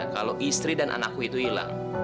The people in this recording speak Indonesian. kalau istri dan anakku itu hilang